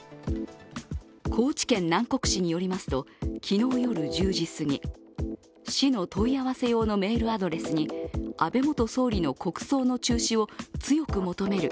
高知県南国市によりますと昨日夜１０時すぎ市の問い合わせ用のメールアドレスに安倍元総理の国葬の中止を強く求める。